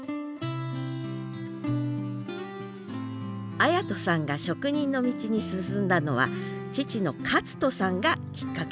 礼人さんが職人の道に進んだのは父の克人さんがきっかけでした。